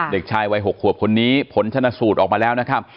เด็กชายวัย๖ขวบคนนี้ผลชนะสูตรออกมาแล้วนะครับ